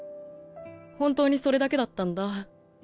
本当にそれだけだったんだ。